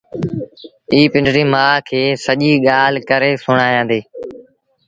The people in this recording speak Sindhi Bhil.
ائيٚݩ پنڊريٚ مآ کي سڄيٚ ڳآل ڪري سُڻآيآݩدي